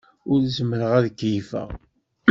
Ur zemmreɣ ad keyyfeɣ.